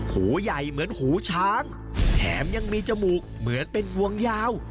หูใหญ่เหมือนหูช้างแถมยังมีจมูกเหมือนเป็นวงยาว